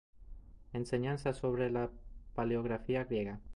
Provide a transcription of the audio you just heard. Enseñanza sobre la paleografía griega.